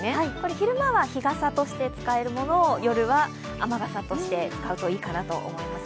昼間は日傘として使えるものを夜は雨傘として使うといいかなと思います。